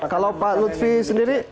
kalau pak lutfi sendiri